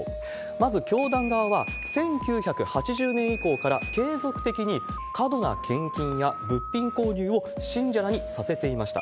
まず、教団側は１９８０年以降から継続的に過度な献金や物品購入を、信者らにさせていました。